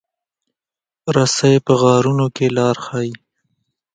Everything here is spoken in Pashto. رسۍ په غارونو کې لار ښيي.